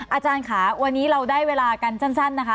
อาจารย์ค่ะวันนี้เราได้เวลากันสั้นนะคะ